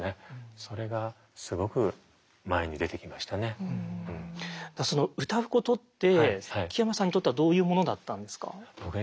その歌うことって木山さんにとってはどういうものだったんですか？